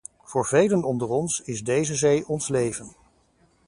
Voor velen onder ons is deze zee ons leven.